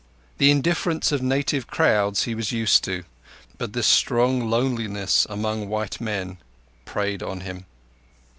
The indifference of native crowds he was used to; but this strong loneliness among white men preyed on him.